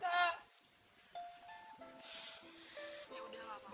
ya udah gak apa apa